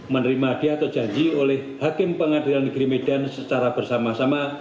menerima dia atau janji oleh hakim pengadilan negeri medan secara bersama sama